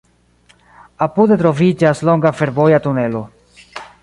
Apude troviĝas longa fervoja tunelo.